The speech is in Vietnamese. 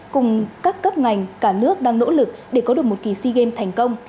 cùng các cấp ngành cả nước đang nỗ lực để có được một kỳ si game thành công